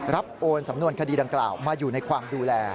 โอนสำนวนคดีดังกล่าวมาอยู่ในความดูแล